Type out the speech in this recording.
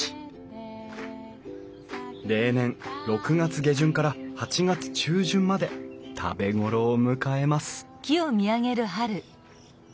例年６月下旬から８月中旬まで食べ頃を迎えます